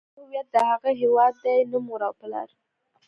د انسان هویت د هغه هيواد دی نه مور او پلار.